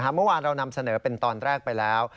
เมื่อวานเรานำเสนอเป็นตอนแรกไปแล้ว